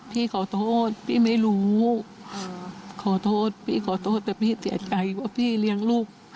พี่ขอโทษพี่ไม่รู้ขอโทษพี่ขอโทษแต่พี่เสียใจว่าพี่เลี้ยงลูก